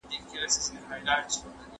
زه اجازه لرم چي کتابتون ته راشم.